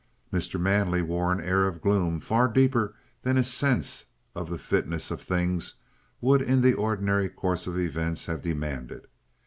Mr. Manley wore an air of gloom far deeper than his sense of the fitness of things would in the ordinary course of events have demanded.